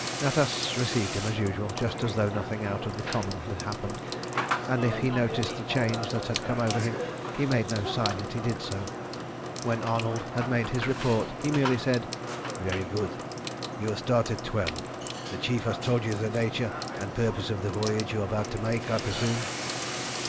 Natas received him as usual, just as though nothing out of the common had happened; and if he noticed the change that had come over him, he made no sign that he did so. When Arnold had made his report, he merely said "Very good. You will start at twelve. The Chief has told you the nature and purpose of the voyage you are about to make, I presume?"